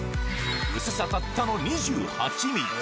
薄さたったの２８ミリ。